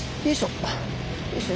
よいしょ！